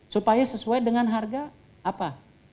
supaya sesuai dengan harga apa